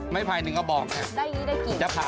ไม่ภายนึงเขาบอกค่ะ